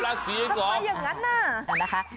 ทำไมอย่างนั้น